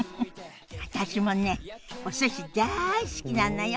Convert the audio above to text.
私もねお寿司だい好きなのよ。